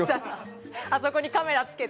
あそこにカメラつけて？